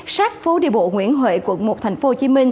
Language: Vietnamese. sát phố đi bộ nguyễn huệ quận một tp hcm